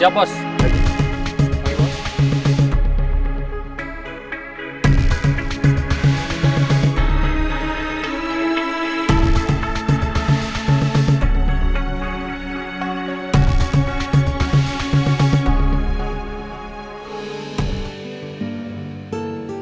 teman buty ini